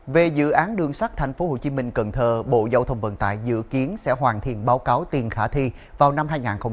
về dự án đường sắt tp hcm cần thơ bộ giao thông vận tải dự kiến sẽ hoàn thiện báo cáo tiền khả thi vào năm hai nghìn hai mươi